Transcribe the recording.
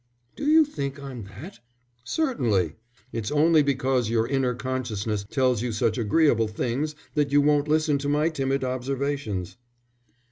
"Do you think I'm that?" "Certainly. It's only because your inner consciousness tells you such agreeable things that you won't listen to my timid observations."